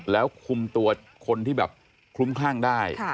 แล้วคุมตัวคนที่แบบคลุ้มคลั่งได้